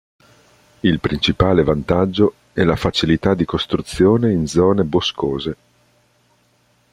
Il principale vantaggio è la facilità di costruzione in zone boscose.